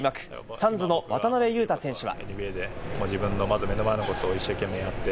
サンズの渡邊雄太選手は。